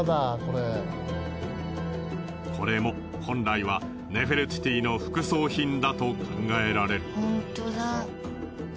これも本来はネフェルティティの副葬品だと考えられる。